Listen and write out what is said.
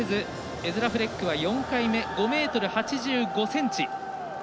エズラ・フレックは４回目、５ｍ８５ｃｍ。